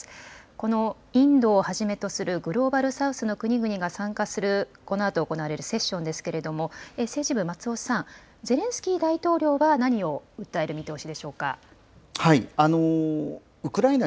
このインドをはじめとする、グローバル・サウスの国々が参加する、このあと行われるセッションですけれども、政治部、松尾さん、ゼレンスキー大統領は何を訴える見通しでしょうか。